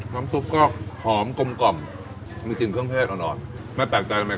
อ๋อน้ำสุกก็หอมกลมมีกลิ่นเครื่องเทศอร่อยไม่แปลกใจบาง